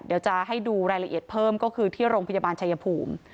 เดี๋ยวจะให้ดูรายละเอียดเพิ่มก็คือที่โรงพยาบาลชายภูมิ